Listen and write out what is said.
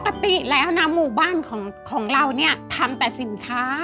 ปกติแล้วนะหมู่บ้านของเราเนี่ยทำแต่สินค้า